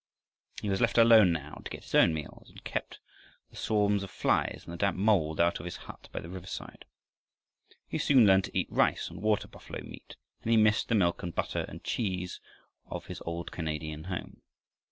He was left alone now, to get his own meals and keep the swarms of flies and the damp mold out of his hut by the riverside. He soon learned to eat rice and water buffalo meat, but he missed the milk and butter and cheese of his old Canadian home.